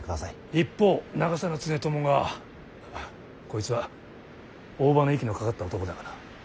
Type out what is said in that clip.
一方長狭常伴がこいつは大庭の息のかかった男だがな